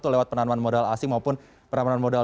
lewat penanaman modal asing maupun penambahan modal